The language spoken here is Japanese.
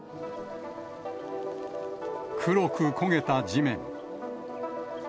黒く焦げた地面。